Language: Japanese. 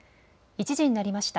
１時になりました。